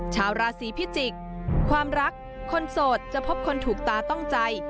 ชาวราศีพิจิกษ์ความรักคนโสดจะพบคนถูกตาต้องใจ